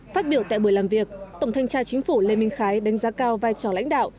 phát biểu tại buổi làm việc tổng thanh tra chính phủ lê minh khái đánh giá cao vai trò lãnh đạo